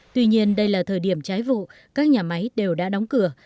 tuy nhiên đây là thời điểm trái vụ các nhà máy đều đã đóng cửa